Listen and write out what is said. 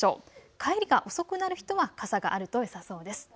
帰りが遅くなる人は傘があるとよさそうです。